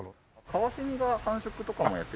カワセミが繁殖とかもやってて。